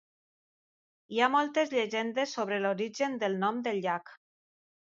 Hi ha moltes llegendes sobre l'origen del nom del llac.